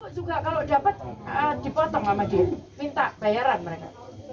juga kalau dapat dipotong sama dia minta bayaran mereka